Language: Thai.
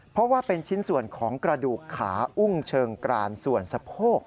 เพราะว่าเป็นชิ้นส่วนของกระดูกขาอุ้งเชิงกรานส่วนสะโพก